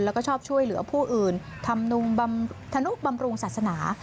แล้วก็ชอบช่วยเหลือผู้อื่นทำธนุบำรุงศาสนา